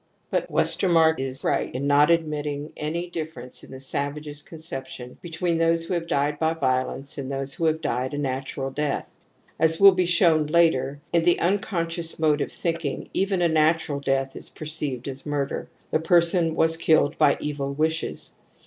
But Westermarek is right in not admitting any difference in the savage's conception between [those who have died by violence and those who have died a natural death. As will be shown later *i, in the unconscious mode of thinking even a natural death is perceived as murder ; the person was kiJled by evil wishes.